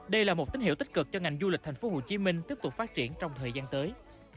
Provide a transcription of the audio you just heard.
đây là một tín hiệu tích cực cho ngành du lịch thành phố hồ chí minh tiếp tục phát triển trong thời gian tới